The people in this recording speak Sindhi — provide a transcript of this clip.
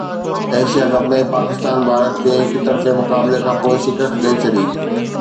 ايشيا ڪپ ۾ پاڪستان ڀارت کي هڪ طرفي مقابلي کانپوءِ شڪست ڏئي ڇڏي